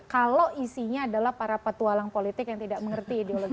kalau isinya adalah para petualang politik yang tidak mengerti ideologi